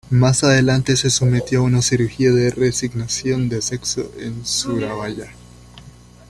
Más adelante se sometió a una cirugía de reasignación de sexo en Surabaya.